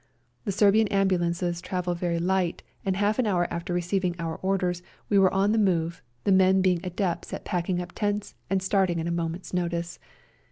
The Serbian ambulances travel very light, and half an hour after receiving our orders we were on the move, the men being adepts at packing up tents and starting at a moment's notice.